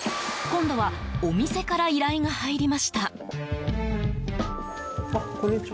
今度はお店から依頼が入りました。